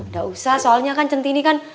gak usah soalnya kan centini kan